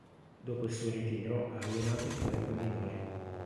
Dopo il suo ritiro ha allenato club minori.